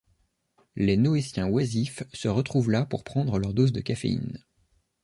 Les Noétiens oisifs se retrouvent là pour prendre leur dose de caféine.